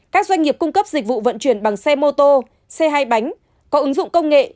các doanh nghiệp cung cấp dịch vụ vận chuyển bằng xe mô tô xe hai bánh có ứng dụng công nghệ